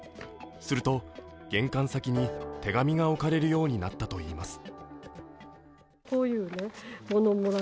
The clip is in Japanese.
すると、玄関先に手紙が置かれるようになったといいます。